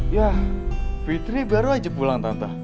ya fitri baru aja pulang tante